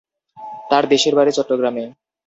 তার দেশের বাড়ি চট্টগ্রামে।